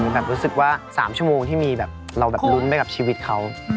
แบบรู้สึกว่า๓ชั่วโมงที่มีแบบเราแบบลุ้นไปกับชีวิตเขา